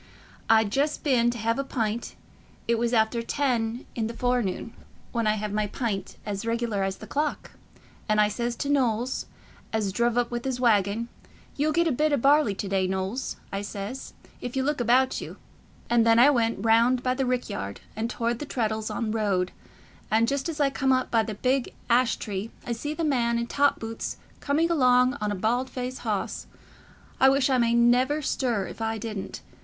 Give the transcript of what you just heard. I'd just been t' hev a pint—it was half after ten i' the fore noon, when I hev my pint as reg'lar as the clock—and I says to Knowles, as druv up with his waggon, 'You'll get a bit o' barley to day, Knowles,' I says, 'if you look about you'; and then I went round by the rick yard, and towart the Treddles'on road, and just as I come up by the big ash tree, I see the man i' top boots coming along on a bald faced hoss—I wish I may never stir if I didn't.